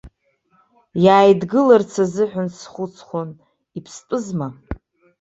Иааидгыларц азыҳәан, схәыцуан, иԥстәызма!